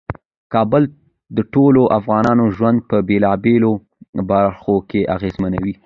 کابل د ټولو افغانانو ژوند په بیلابیلو برخو کې اغیزمنوي.